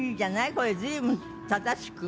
これ随分正しく。